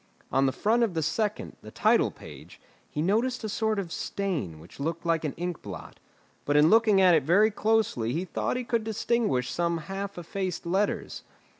On the front of the second, the title page, he noticed a sort of stain which looked like an ink blot. But in looking at it very closely he thought he could distinguish some half effaced letters.